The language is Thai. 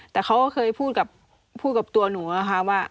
แต่เขาก็เคยพูดกับตัวหนูนะคะว่า